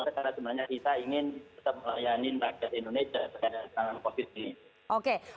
karena itulah semangat masakan sebenarnya kita ingin tetap melayani rakyat indonesia terhadap covid ini